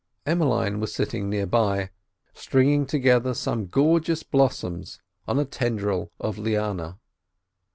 Emmeline was sitting near by, stringing together some gorgeous blossoms on a tendril of liana.